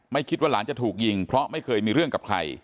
คิดว่าหลานจะถูกยิงเพราะไม่เคยมีเรื่องกับใคร